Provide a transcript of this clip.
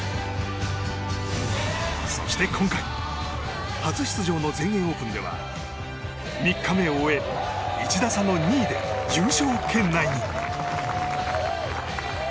そして今回初出場の全英オープンでは３日目を終え、１打差の２位で優勝圏内に。